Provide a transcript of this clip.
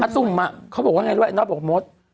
อัตุ่มเขาบอกว่าอย่างไรรึเปล่าเนาะบอกโม๊ต